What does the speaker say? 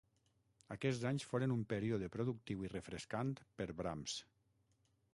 Aquests anys foren un període productiu i refrescant per Brahms.